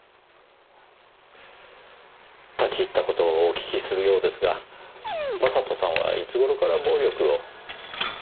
立ち入った事をお聞きするようですが将人さんはいつ頃から暴力を？